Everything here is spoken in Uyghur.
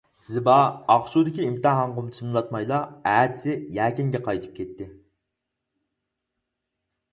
زىبا ئاقسۇدىكى ئىمتىھانغىمۇ تىزىملاتمايلا ئەتىسى يەكەنگە قايتىپ كەتتى.